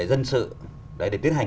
dân sự để tiến hành